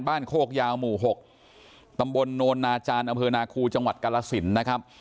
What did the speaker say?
บ้านโคกยาวหมู่หกตำบลโนนาจารย์อเภินาคูจังหวัดกรรษินต์นะครับ